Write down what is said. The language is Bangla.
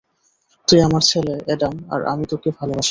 তুই আমার ছেলে, অ্যাডাম, আর আমি তোকে ভালোবাসি।